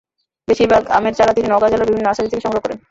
বেশির ভাগ আমের চারা তিনি নওগাঁ জেলার বিভিন্ন নার্সারি থেকে সংগ্রহ করেন।